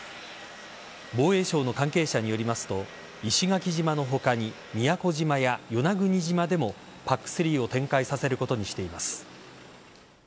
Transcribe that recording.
防衛省の関係者によりますと石垣島の他に宮古島や与那国島でもＰＡＣ‐３を展開させることにしています。